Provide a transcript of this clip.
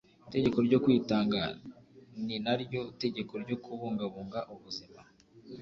Itegeko ryo kwitanga ni naryo tegeko ryo kubungabunga ubuzima.